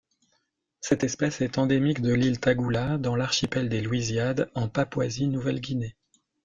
Cette espèce est endémique de l'île Tagula dans l'archipel des Louisiades en Papouasie-Nouvelle-Guinée.